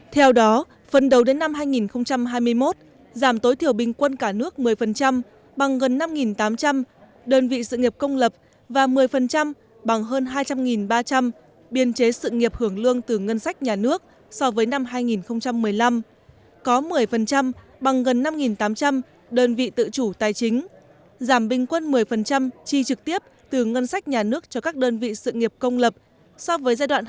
theo đó phần đầu đến năm hai nghìn hai mươi một giảm tối thiểu bình quân cả nước một mươi bằng gần năm tám trăm linh đơn vị sự nghiệp công lập và một mươi bằng hơn hai trăm linh ba trăm linh biên chế sự nghiệp hưởng lương từ ngân sách nhà nước so với năm hai nghìn một mươi năm có một mươi bằng gần năm tám trăm linh đơn vị tự chủ tài chính giảm bình quân một mươi chi trực tiếp từ ngân sách nhà nước cho các đơn vị sự nghiệp công lập so với giai đoạn hai nghìn hai mươi một